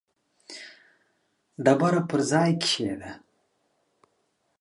ډبره پر ځای کښېږده.